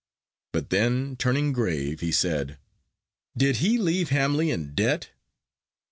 But then, turning grave, he said: "Did he leave Hamley in debt?"